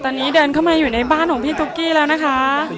ตอนนี้เดินเข้ามาอยู่ในบ้านของพี่ตุ๊กกี้แล้วนะคะ